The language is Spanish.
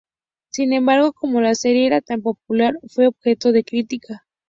Sin embargo, como la serie era tan popular, fue objeto de crítica.